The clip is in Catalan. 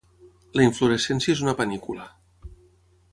La inflorescència és una panícula.